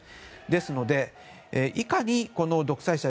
ですので、いかに独裁者